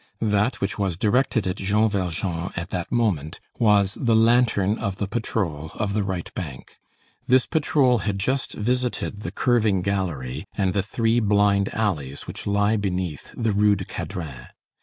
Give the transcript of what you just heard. That which was directed at Jean Valjean at that moment, was the lantern of the patrol of the right bank. This patrol had just visited the curving gallery and the three blind alleys which lie beneath the Rue du Cadran.